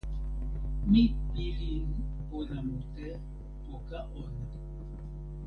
mi pilin pona mute poka ona.